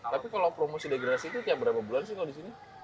tapi kalo promosi degrasi itu tiap berapa bulan sih kalo disini